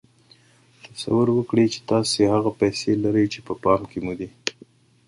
تصور وکړئ چې تاسې هغه پيسې لرئ چې په پام کې مو دي.